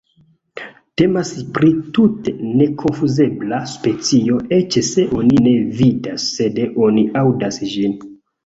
Temas pri tute nekonfuzebla specio, eĉ se oni ne vidas sed oni aŭdas ĝin.